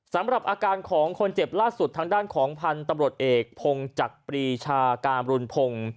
สำหรับอาการของคนเจ็บล่าสุดทางด้านของพันธุ์ตำรวจเอกพงจักรปรีชาการรุณพงศ์